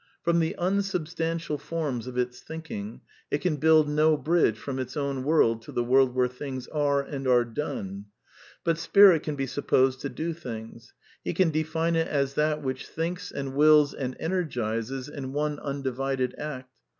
From the unsubstantial forms of its thinking it can build no bridge from its owiT'* \ world to the world where things are and are done. But Spirit can be supposed to do things. He can define it as that which thinks, and wills, and energizes in one un divided act.